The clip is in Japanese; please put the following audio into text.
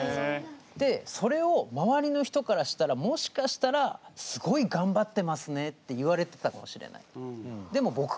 でそれを周りの人からしたらもしかしたらすごい頑張ってますねって言われてたかもしれない。